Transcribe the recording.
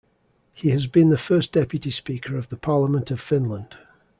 He has been the First Deputy Speaker of the Parliament of Finland.